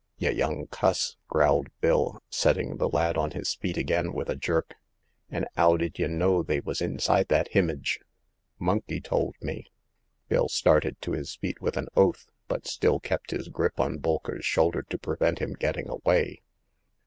Y* young cuss !'* growled Bill, setting the lad on his feet again with a jerk. An' *ow did y* know they was inside that himage ?"Monkey told me.*' Bill started to his feet with an oath, but still kept his grip on Bolker*s shoulder to prevent him getting away.